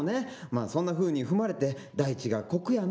まあそんなふうに踏まれて大地がこくやな。